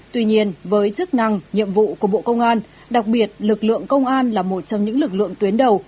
tuy nhiên với chức năng nhiệm vụ của bộ công an đặc biệt lực lượng công an là một trong những lực lượng tuyến đầu